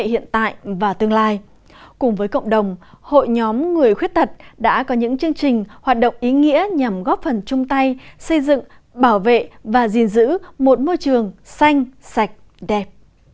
hội nhóm người khuyết thật đã có những chương trình hoạt động ý nghĩa nhằm góp phần chung tay xây dựng bảo vệ và gìn giữ một môi trường xanh sạch đẹp